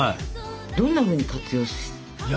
どんなふうに活用したらいい？